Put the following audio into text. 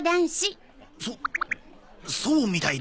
そそうみたいだね。